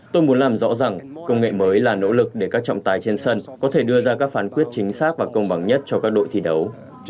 tôi muốn làm rõ rằng công nghệ mới là nỗ lực để các trọng tài trên sân có thể đưa ra các phán quyết chính xác và công bằng nhất cho các đội thi đấu